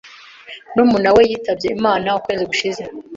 Murumuna we yitabye Imana ukwezi gushize.